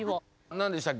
何でしたっけ？